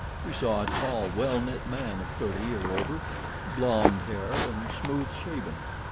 He saw a tall, well knit man of thirty or over, blonde of hair and smooth shaven.